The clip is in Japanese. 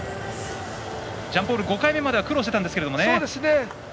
ジャンポール、５回目までは苦労していたんですが。